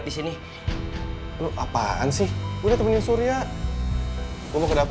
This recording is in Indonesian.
kita tomar udang